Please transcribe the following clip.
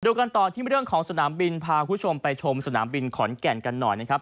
กันต่อที่เรื่องของสนามบินพาคุณผู้ชมไปชมสนามบินขอนแก่นกันหน่อยนะครับ